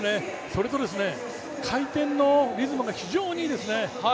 それと回転のリズムが非常にいいですね。